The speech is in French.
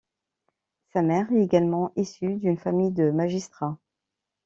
Sa mère est également issue d'une famille de magistrats.